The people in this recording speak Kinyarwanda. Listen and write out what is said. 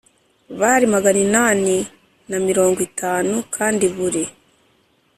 bari magana inani na mirongo itanu kandi buri